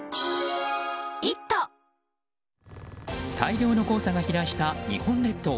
大量の黄砂が飛来した日本列島。